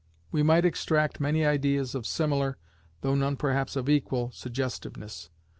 We might extract many ideas of similar, though none perhaps of equal, suggestiveness.